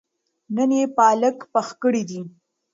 نن يې پالک پخ کړي دي